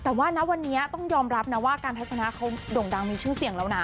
แต่ว่าณวันนี้ต้องยอมรับนะว่าการทัศนะเขาโด่งดังมีชื่อเสียงแล้วนะ